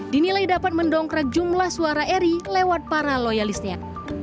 dinilai dapat mendongkrak jumlah suara erick lewat para loyalistnya